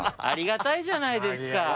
ありがたいじゃないですか。